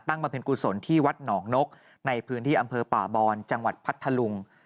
บำเพ็ญกุศลที่วัดหนองนกในพื้นที่อำเภอป่าบอนจังหวัดพัทธลุง